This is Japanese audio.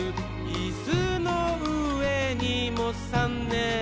「イスのうえにもさんねんだ」